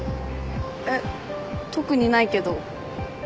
えっ特にないけど。